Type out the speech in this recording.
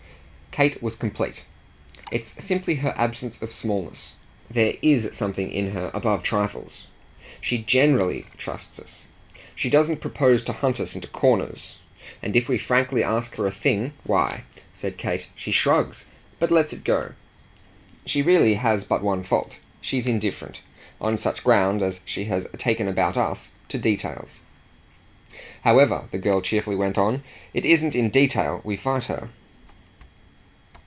Kate was complete. "It's simply her absence of smallness. There IS something in her above trifles. She GENERALLY trusts us; she doesn't propose to hunt us into corners: and if we frankly ask for a thing why," said Kate, "she shrugs, but she lets it go. She has really but one fault she's indifferent, on such ground as she has taken about us, to details. However," the girl cheerfully went on, "it isn't in detail we fight her."